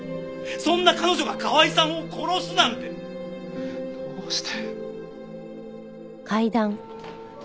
そんな彼女が河合さんを殺すなんてどうして。